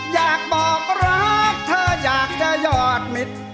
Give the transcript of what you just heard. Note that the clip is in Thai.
อยากบอกรักเธออยากจะหยอดมิตร